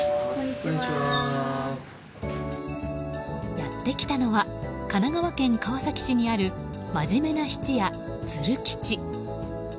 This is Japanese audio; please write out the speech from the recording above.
やってきたのは神奈川県川崎市にあるまじめな質屋鶴吉。